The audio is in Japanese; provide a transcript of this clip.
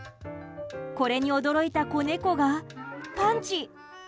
これに驚いた子猫がパンチ。